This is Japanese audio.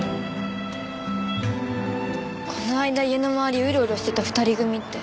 この間家の周りをウロウロしてた２人組って。